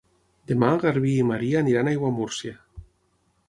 Demà en Garbí i na Maria aniran a Aiguamúrcia.